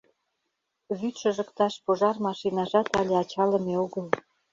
Вӱд шыжыкташ пожар машинажат але ачалыме огыл.